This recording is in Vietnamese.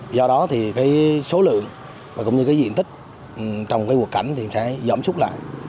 do đó thì cái số lượng và cũng như cái diện tích trong cái quật cảnh thì sẽ giỏm súc lại